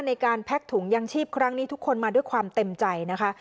แพ็กถุงยางชีพครั้งนี้ทุกคนมาด้วยความเต็มใจนะคะ